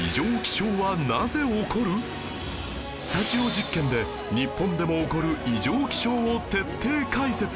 スタジオ実験で日本でも起こる異常気象を徹底解説